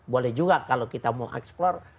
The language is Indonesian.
boleh juga kalau kita mau eksplor